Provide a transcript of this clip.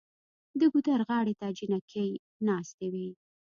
د ګودر غاړې ته جینکۍ ناستې وې